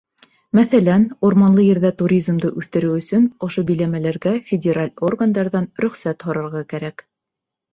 Мәҫәлән, урманлы ерҙә туризмды үҫтереү өсөн ошо биләмәләргә федераль органдарҙан рөхсәт һорарға кәрәк.